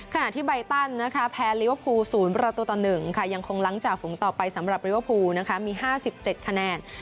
ขณะที่ใบตันนะคะแพ้ลิเวอร์พูล๐ประตูต่อ๑ค่ะยังคงหลังจากฝูงต่อไปสำหรับริเวอร์พูลมี๕๗คะแนน